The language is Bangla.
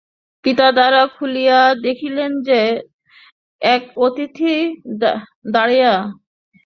পিতা দ্বার খুলিয়া দেখিলেন যে, এক অতিথি দাঁড়াইয়া।